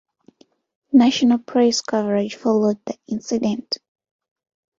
National press coverage followed the incident.